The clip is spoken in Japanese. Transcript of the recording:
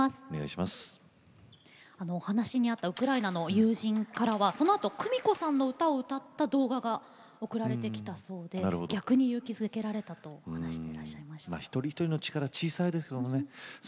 お話にあったウクライナの友人からはそのあとクミコさんの歌を歌った動画が送られてきたそうで逆に勇気づけられたと話してらっしゃいました。